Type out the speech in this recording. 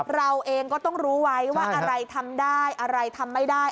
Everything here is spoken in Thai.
เราเองก็ต้องรู้ไว้ว่าอะไรทำได้อะไรทำไม่ได้